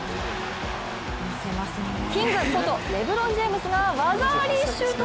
ＫＩＮＧことレブロン・ジェームズが技ありシュート！